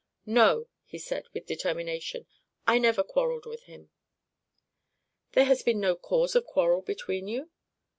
"No," he said, with determination; "I never quarrelled with him." "There had been no cause of quarrel between you?"